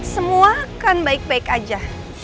semua kan baik baik aja